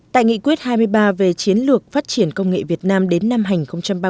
tại nghị quyết hai mươi ba về chiến lược phát triển công nghệ việt nam đến năm hành ba mươi